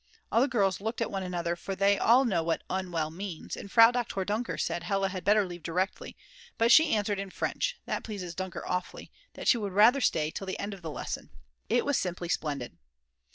All the girls looked at one another, for they all know what unwell means, and Frau Doktor Dunker said Hella had better leave directly, but she answered in French that pleases Dunker awfully that she would rather stay till the end of the lesson. It was simply splendid!